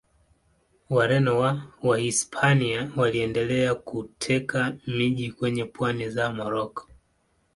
Wareno wa Wahispania waliendelea kuteka miji kwenye pwani za Moroko.